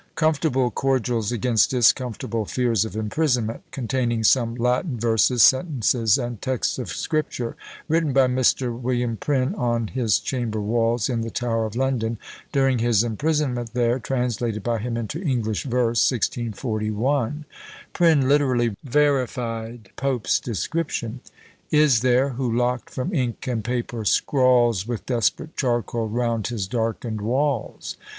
"Comfortable Cordials against discomfortable Fears of Imprisonment; containing some Latin Verses, Sentences, and Texts of Scripture, written by Mr. Wm. Prynne, on his Chamber Walls, in the Tower of London, during his imprisonment there; translated by him into English Verse, 1641." Prynne literally verified Pope's description: Is there, who locked from ink and paper, scrawls With desperate charcoal round his darkened walls.